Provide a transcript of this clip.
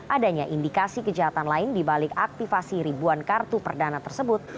adanya indikasi kejahatan lain dibalik aktivasi ribuan kartu perdana tersebut